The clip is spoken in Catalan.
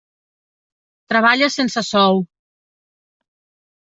Treballa sense sou.